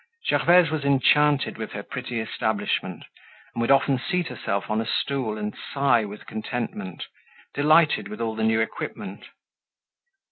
Gervaise was enchanted with her pretty establishment and would often seat herself on a stool and sigh with contentment, delighted with all the new equipment.